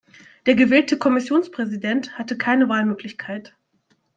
Der gewählte Kommissionspräsident hatte keine Wahlmöglichkeit.